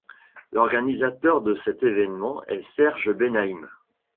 L'organisateur de cet événement est Serge Benaïm.